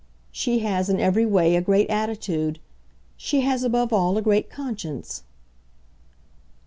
She has, in every way, a great attitude. She has above all a great conscience."